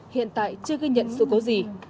hiện tại chưa gây nhận sự cố gì